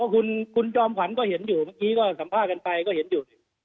คุณจอมขวัญก็เห็นอยู่เมื่อกี้ก็สัมภาษณ์กันไปก็เห็นอยู่